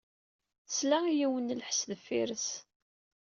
Tesla i yiwen n lḥess deffir-s.